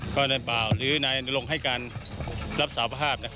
ก็ในบ่าวหรือนายหนูลงให้การรักษารภาพ